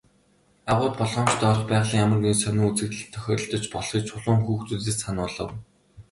Агуйд болгоомжтой орох, байгалийн ямар нэгэн сонин үзэгдэл тохиолдож болохыг Чулуун хүүхдүүдэд сануулав.